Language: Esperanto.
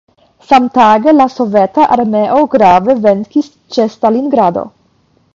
Samtage la soveta armeo grave venkis ĉe Stalingrado.